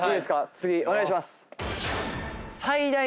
次お願いします。